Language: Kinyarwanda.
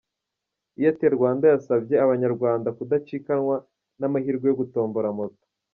Airtel Rwanda yasabye abanyarwanda gudacikanwa n'aya mahirwe yo gutombora Moto.